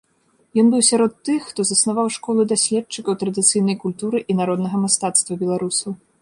Ён быў сярод тых, хто заснаваў школу даследчыкаў традыцыйнай культуры і народнага мастацтва беларусаў.